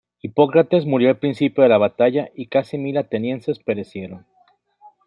Hipócrates murió al principio de la batalla y casi mil atenienses perecieron.